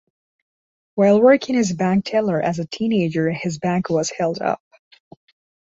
While working as a bank teller as a teenager, his bank was held up.